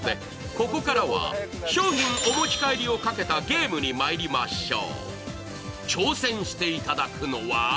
ここからは商品お持ち帰りをかけたゲームにまいりましょう。